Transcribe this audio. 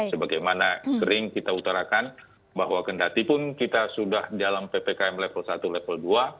sebagaimana sering kita utarakan bahwa kendatipun kita sudah dalam ppkm level satu level dua